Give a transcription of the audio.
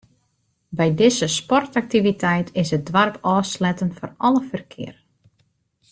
By dizze sportaktiviteit is it doarp ôfsletten foar alle ferkear.